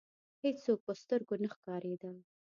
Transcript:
هېڅوک په سترګو نه ښکاریدل.